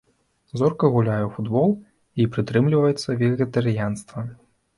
Зорка гуляе ў футбол і прытрымліваецца вегетарыянства.